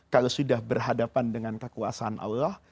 kalau sudah berhadapan dengan kekuasaan allah